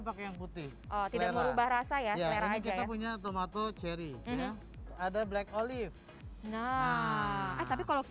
pakai yang putih oh tidak merubah rasa ya karena kita punya tomato cherry ada black olive nah tapi kalau